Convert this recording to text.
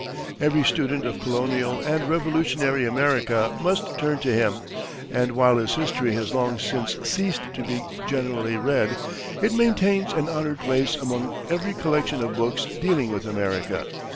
Every student of colonial and revolutionary America must turn to him, and while his history has long since ceased to be generally read, it maintains an honored place among every collection of books dealing with America.